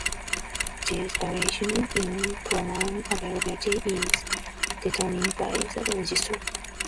These variations in pronoun availability is determined by the register.